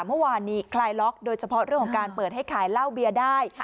เมื่อวานนี้คลายล็อกโดยเฉพาะเรื่องของการเปิดให้ขายเหล้าเบียร์ได้